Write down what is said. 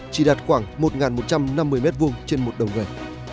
chỉ đạt khoảng một một trăm năm mươi m hai trên một đầu gầy